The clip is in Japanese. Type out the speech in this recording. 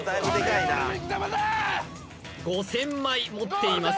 ５０００枚持っています